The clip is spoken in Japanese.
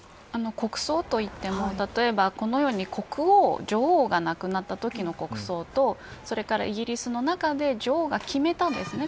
国葬といっても例えば、このように国王、女王が亡くなったときの国葬とそれからイギリスの中で女王が決めたんですね。